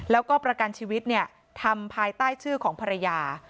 แล้วก็ประกันชีวิตทำภายใต้ชื่อของภรรยา